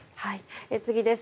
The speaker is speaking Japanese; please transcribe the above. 次です。